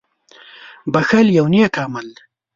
• بښل یو نېک عمل دی.